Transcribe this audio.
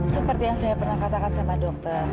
seperti yang saya pernah katakan sama dokter